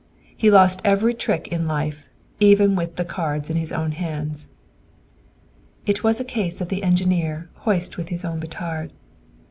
He lost every trick in life, even with the cards in his own hands." It was a case of the engineer "hoist with his own petard!"